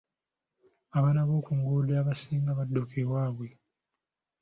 Abaana b'oku nguudo abasinga badduka ewaabwe.